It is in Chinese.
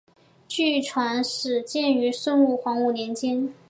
据传始建于孙吴黄武年间。